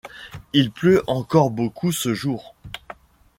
Il pleut encore beaucoup ce jour.